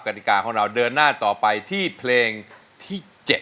กฎิกาของเราเดินหน้าต่อไปที่เพลงที่๗